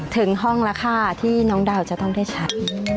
ถึงห้องราคาที่น้องดาวจะต้องได้ใช้